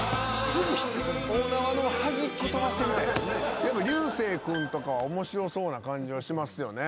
彩青君とかは面白そうな感じはしますよね。